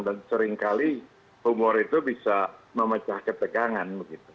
dan seringkali humor itu bisa memecah ketegangan